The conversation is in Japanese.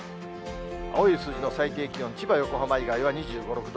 青い数字の最低気温、千葉、横浜以外は２５、６度。